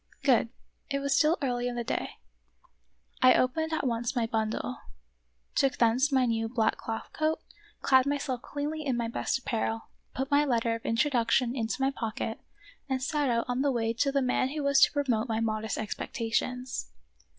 " Good." It was still early in the day. I 2 The Wonderful History opened at once my bundle ; took thence my new black cloth coat; clad myself cleanly in my best apparel ; put my letter of introduction into my pocket, and set out on the way to the man who was to promote my modest expectations.